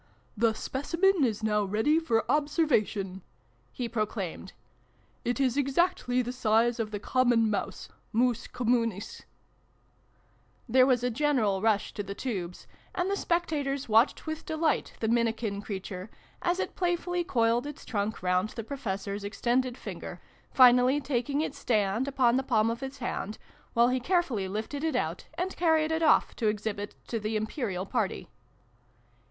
" The Specimen is now ready for observation !" he proclaimed. "It is exactly the size of the Common Mouse Mus Communis !" There was a general rush to the tubes, and the spectators watched with delight the minikin creature, as it playfully coiled its trunk round the Professor's extended finger, finally taking its stand upon the palm of his hand, while he carefully lifted it out, and carried it off to exhibit to the Imperial party.